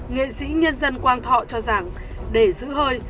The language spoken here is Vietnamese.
nghệ sĩ nhân dân quang thọ cho rằng để giữ hơi